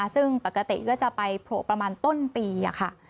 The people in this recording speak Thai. ซึ่งปกติก็จะไปโผล่ประมาณต้นปีค่ะ